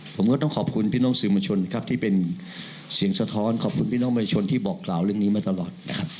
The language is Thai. ผมก็ต้องขอบคุณพี่น้องสื่อมวลชนครับที่เป็นเสียงสะท้อนขอบคุณพี่น้องประชาชนที่บอกกล่าวเรื่องนี้มาตลอดนะครับ